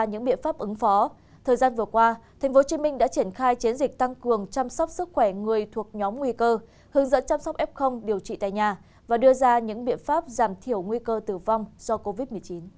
hướng dẫn chăm sóc f điều trị tại nhà và đưa ra những biện pháp giảm thiểu nguy cơ tử vong do covid một mươi chín